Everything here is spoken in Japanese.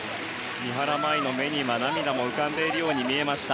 三原舞依の目に涙が浮かんでいるように見えました。